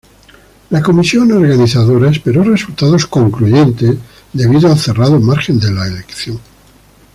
La comisión organizadora esperó resultados "concluyentes" debido al cerrado margen de la elección.